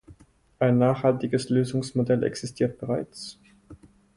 Ein nachhaltiges Lösungsmodell existiert bereits.